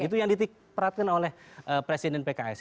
itu yang diperatkan oleh presiden pks